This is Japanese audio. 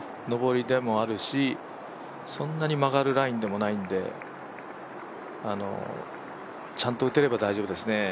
上りでもあるし、そんなに曲がるラインでもないのでちゃんと打てれば大丈夫ですね。